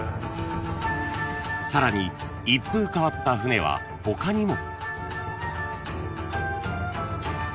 ［さらに一風変わった船は他にも］